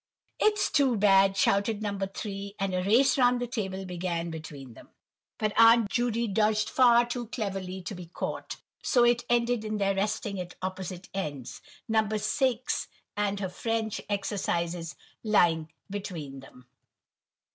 "It's too bad!" shouted No. 3; and a race round the table began between them, but Aunt Judy dodged far too cleverly to be caught, so it ended in their resting at opposite ends; No. 6 and her French exercises lying between them.